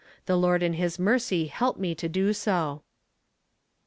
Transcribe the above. The Lord in his mercy Iielp me to do so."